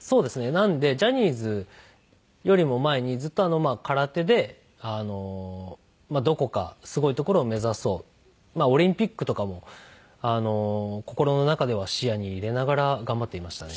なのでジャニーズよりも前にずっと空手でまあどこかすごいところを目指そうオリンピックとかも心の中では視野に入れながら頑張っていましたね。